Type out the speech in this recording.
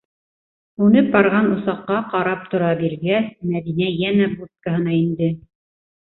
Һүнеп барған усаҡҡа ҡарап тора биргәс, Мәҙинә йәнә будкаһына инде.